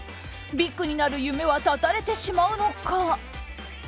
ビッグになる夢は絶たれてしまうのか。